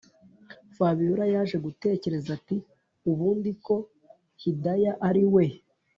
fabiora yaje gutekereza ati ubundi ko hidaya ariwe